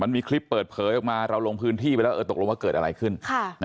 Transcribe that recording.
มีคลิปเปิดเผยออกมาเราลงพื้นที่ไปแล้วเออตกลงว่าเกิดอะไรขึ้น